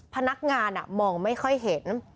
พนักงานมองไม่ค่อยเห็น